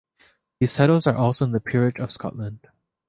These titles are also in the Peerage of Scotland.